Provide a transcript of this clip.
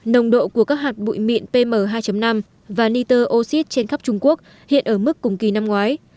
nồng độ của các hạt bụi mịn pm hai năm và nitroxid trên khắp trung quốc hiện ở mức cùng kỳ năm ngoái